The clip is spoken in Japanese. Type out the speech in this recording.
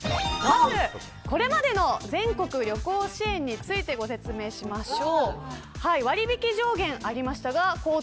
これまでの全国旅行支援についてご説明しましょう。